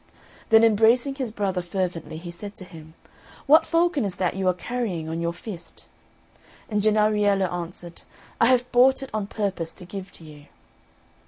Then embracing his brother fervently, he said to him, "What falcon is that you are carrying on your fist?" And Jennariello answered, "I have bought it on purpose to give to you."